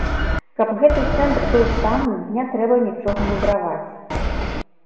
Каб гэты цэнтр быў танным, не трэба нічога мудраваць.